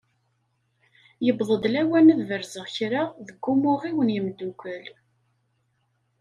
Yewweḍ-d lawan ad berzeɣ kra deg umuɣ-iw n yemdukal.